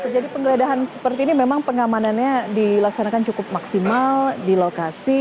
jadi penggeledahan seperti ini memang pengamanannya dilaksanakan cukup maksimal di lokasi